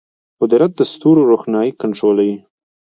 قدرت د ستورو روښنايي کنټرولوي.